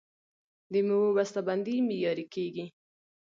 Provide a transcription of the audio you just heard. د میوو بسته بندي معیاري کیږي.